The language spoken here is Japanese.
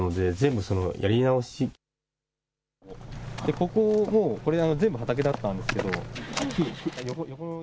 ここもこれ、全部畑だったんですけど。